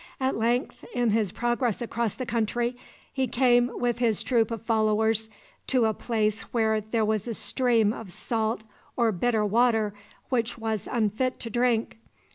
At length, in his progress across the country, he came with his troop of followers to a place where there was a stream of salt or bitter water which was unfit to drink.